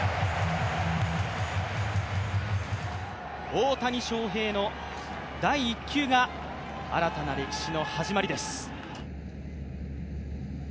大谷翔平の第１球が、新たな歴史の始まりです。